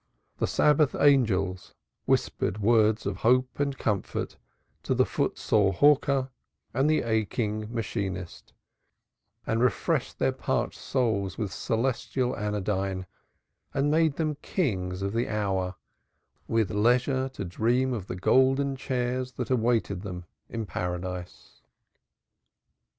The Sabbath Angels whispered words of hope and comfort to the foot sore hawker and the aching machinist, and refreshed their parched souls with celestial anodyne and made them kings of the hour, with leisure to dream of the golden chairs that awaited them in Paradise.